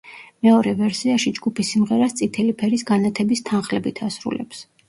მეორე ვერსიაში ჯგუფი სიმღერას წითელი ფერის განათების თანხლებით ასრულებს.